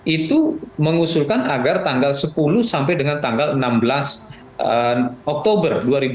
itu mengusulkan agar tanggal sepuluh sampai dengan tanggal enam belas oktober dua ribu dua puluh